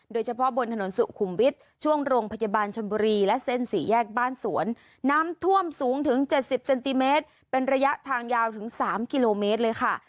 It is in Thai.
โดยเฉพาะบนถนนสุขุมวิทย์ช่วงโรงพยาบาลชนบุรีและเส้นสี่แยกบ้านสวนน้ำท่วมสูงถึง๗๐เซนติเมตรเป็นระยะทางยาวถึง๓กิโลเมตรเลยค่ะ